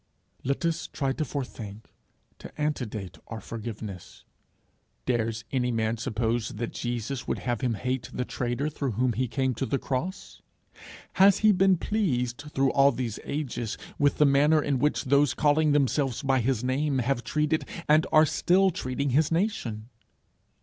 Let us try to forethink, to antedate our forgiveness. Dares any man suppose that Jesus would have him hate the traitor through whom he came to the cross? Has he been pleased through all these ages with the manner in which those calling themselves by his name have treated, and are still treating his nation?